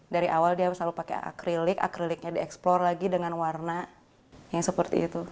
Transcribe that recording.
dari awal dia selalu pakai akrilik akriliknya dieksplor lagi dengan warna yang seperti itu